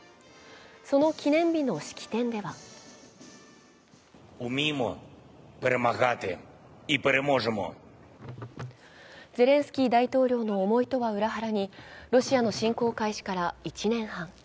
その記念日の式典ではゼレンスキー大統領の思いとは裏腹に、ロシアの侵攻開始から１年半。